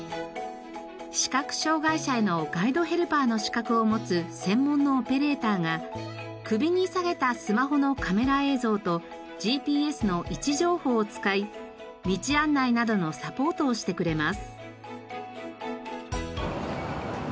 視覚障がい者へのガイドヘルパーの資格を持つ専門のオペレーターが首に下げたスマホのカメラ映像とＧＰＳの位置情報を使い道案内などのサポートをしてくれます。